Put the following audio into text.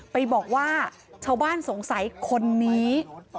ไปบอกว่าชาวบ้านสงสัยคนนี้